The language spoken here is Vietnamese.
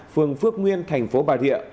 phường phước nguyên tp bà rịa